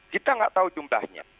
kita nggak tahu jumlahnya